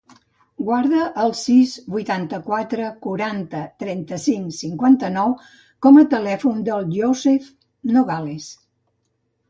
Guarda el sis, vuitanta-quatre, quaranta, trenta-cinc, cinquanta-nou com a telèfon del Yousef Nogales.